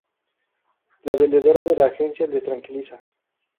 La vendedora de la agencia les tranquiliza.